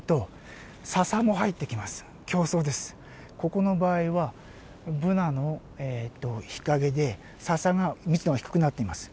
ここの場合はブナの日陰でササが密度が低くなっています。